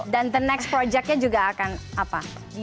dan the next projectnya juga akan apa